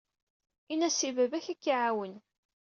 Ini-as i baba-k ad k-iɛawen.